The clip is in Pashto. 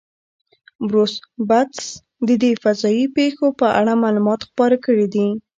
بروس بتز د دې فضایي پیښو په اړه معلومات خپاره کړي دي.